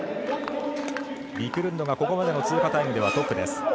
ビクルンドがここまでの通過タイムではトップです。